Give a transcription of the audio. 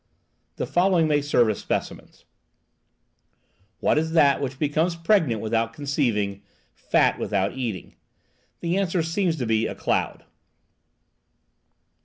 The following may serve as specimens: "What is that which becomes pregnant without conceiving, fat without eating?" The answer seems to be "A cloud."